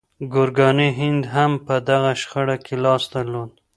ګورګاني هند هم په دغه شخړه کې لاس درلود.